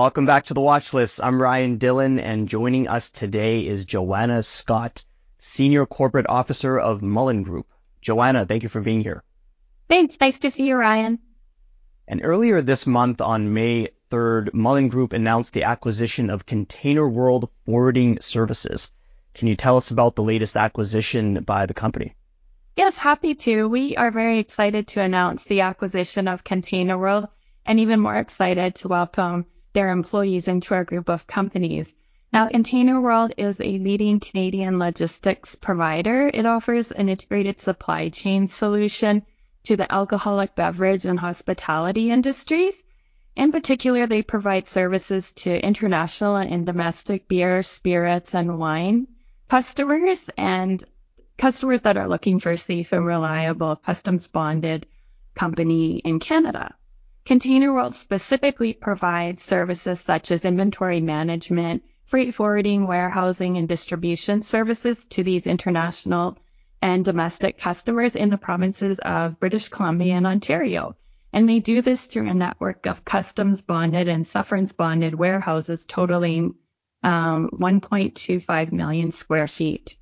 Welcome back to The Watchlist. I'm Ryan Dhillon, and joining us today is Joanna Scott, Senior Corporate Officer of Mullen Group. Joanna, thank you for being here. Thanks. Nice to see you, Ryan. Earlier this month, on May 3, Mullen Group announced the acquisition of ContainerWorld Forwarding Services. Can you tell us about the latest acquisition by the company? Yes, happy to. We are very excited to announce the acquisition of ContainerWorld, and even more excited to welcome their employees into our group of companies. Now, ContainerWorld is a leading Canadian logistics provider. It offers an integrated supply chain solution to the alcoholic beverage and hospitality industries. In particular, they provide services to international and domestic beer, spirits, and wine customers, and customers that are looking for a safe and reliable customs bonded company in Canada. ContainerWorld specifically provides services such as inventory management, freight forwarding, warehousing, and distribution services to these international and domestic customers in the provinces of British Columbia and Ontario. They do this through a network of customs bonded and sufferance bonded warehouses totaling 1.25 million sq ft.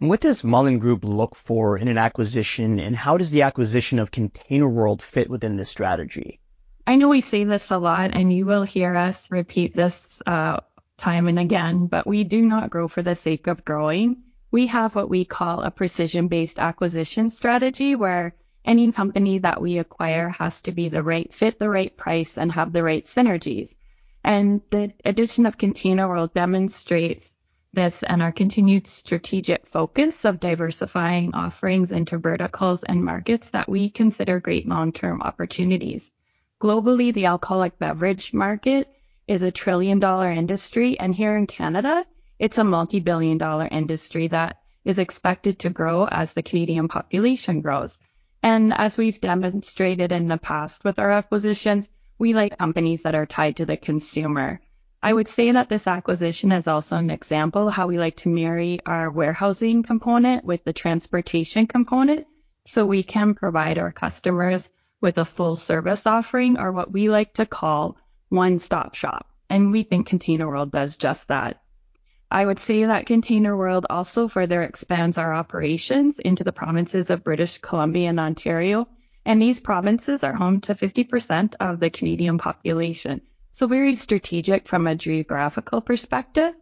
What does Mullen Group look for in an acquisition, and how does the acquisition of ContainerWorld fit within this strategy? I know we say this a lot, and you will hear us repeat this time and again, but we do not grow for the sake of growing. We have what we call a precision-based acquisition strategy, where any company that we acquire has to be the right fit, the right price, and have the right synergies. The addition of ContainerWorld demonstrates this and our continued strategic focus of diversifying offerings into verticals and markets that we consider great long-term opportunities. Globally, the alcoholic beverage market is a trillion-dollar industry. Here in Canada, it's a multi-billion dollar industry that is expected to grow as the Canadian population grows. As we've demonstrated in the past with our acquisitions, we like companies that are tied to the consumer. I would say that this acquisition is also an example of how we like to marry our warehousing component with the transportation component, so we can provide our customers with a full-service offering or what we like to call one-stop shop, and we think ContainerWorld does just that. These provinces are home to 50% of the Canadian population, so very strategic from a geographical perspective.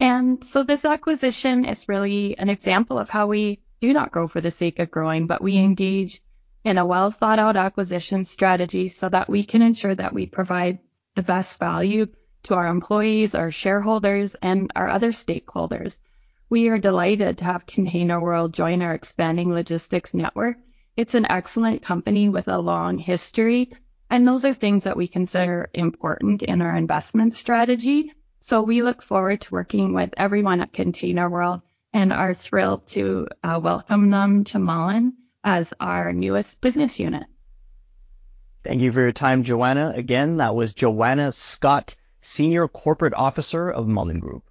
This acquisition is really an example of how we do not grow for the sake of growing, but we engage in a well-thought-out acquisition strategy so that we can ensure that we provide the best value to our employees, our shareholders, and our other stakeholders. We are delighted to have ContainerWorld join our expanding logistics network. It's an excellent company with a long history, and those are things that we consider important in our investment strategy. We look forward to working with everyone at ContainerWorld and are thrilled to welcome them to Mullen as our newest business unit. Thank you for your time, Joanna. Again, that was Joanna Scott, Senior Corporate Officer of Mullen Group.